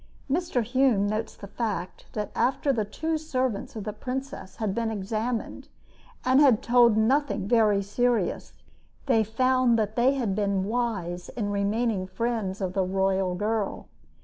Mr. Hume notes the fact that after the two servants of the princess had been examined and had told nothing very serious they found that they had been wise in remaining friends of the royal girl.